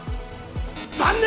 残念！